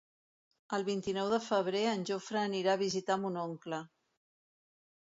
El vint-i-nou de febrer en Jofre anirà a visitar mon oncle.